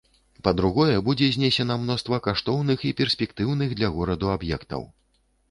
Па-другое, будзе знесена мноства каштоўных і перспектыўных для гораду аб'ектаў.